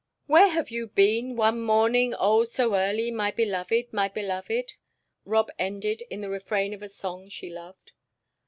"Where have you been 'one morning, oh, so early, my beloved, my beloved?'" Rob ended in the refrain of a song she loved.